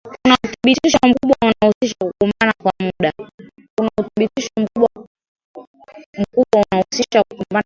Kuna uthibitisho mkubwa unaohusisha kukumbana kwa muda